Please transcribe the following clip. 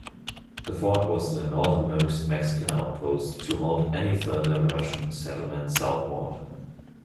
The fort was the northernmost Mexican outpost to halt any further Russian settlement southward.